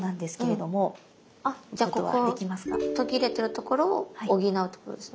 あじゃあここ途切れてるところを補うってことですね？